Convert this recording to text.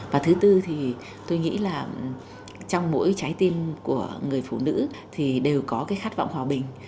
và thứ tư thì tôi nghĩ là trong mỗi trái tim của người phụ nữ thì đều có cái khát vọng hòa bình